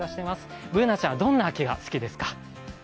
Ｂｏｏｎａちゃんはどな秋が好きですか？